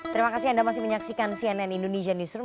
terima kasih anda masih menyaksikan cnn indonesia newsroom